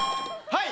はい。